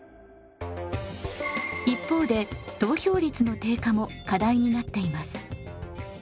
一方で投票率の低下も課題になっています。